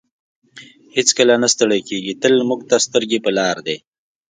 هېڅکله نه ستړی کیږي تل موږ ته سترګې په لار دی.